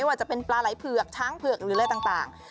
ไม่ว่าจะเป็นปลาไร้เผือกช้างเผือกอะไรต่าง